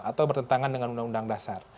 atau bertentangan dengan undang undang dasar